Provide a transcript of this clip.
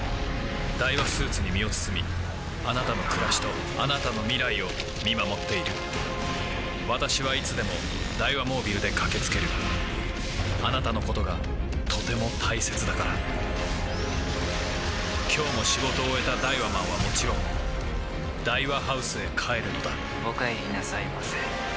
ダイワスーツに身を包みあなたの暮らしとあなたの未来を見守っている私はいつでもダイワモービルで駆け付けるあなたのことがとても大切だから今日も仕事を終えたダイワマンはもちろんダイワハウスへ帰るのだお帰りなさいませ。